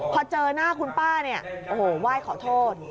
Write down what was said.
พอเจอหน้าคุณป้าเนี่ยโอ้โหไหว้ขอโทษ